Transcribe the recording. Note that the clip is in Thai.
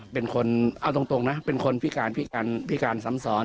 เป็นคนเอาตรงนะเป็นคนพิการพิการซ้ำซ้อน